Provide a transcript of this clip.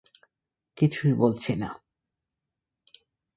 কিছুই বলছি না।